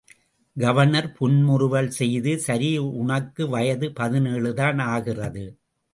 Governor புன்முறுவல் செய்து சரி உனக்கு வயது பதினேழுதான் ஆகிறது.